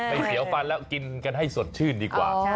เสียวฟันแล้วกินกันให้สดชื่นดีกว่า